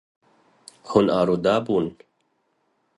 Hûn arode bûn.